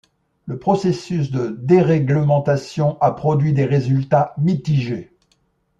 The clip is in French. Le processus de déréglementation a produit des résultats mitigés.